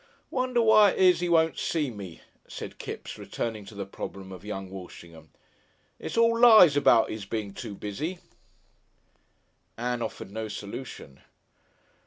"Wonder why it is 'e won't see me," said Kipps, returning to the problem of young Walshingham. "It's all lies about 'is being too busy." Ann offered no solution.